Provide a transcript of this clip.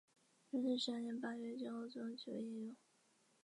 雍正十三年八月清高宗即位沿用。